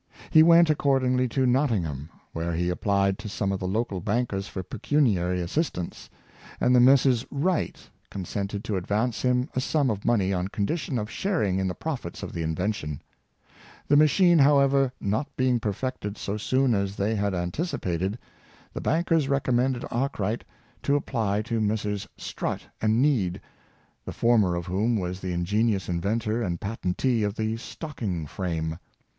He went accordingly to Not tingham, where he applied to some of the local bankers for pecuniary assistance, and the Messrs. Wright con sented to advance him a sum of money on condition of sharing in the profits of the invention. The machine, however, not being perfected so soon as they had an ticipated, the bankers recommended Arkwright to ap ply to Messrs. Strutt and Need, the former of whom was the ingenious inventor and patentee of the stocking frame.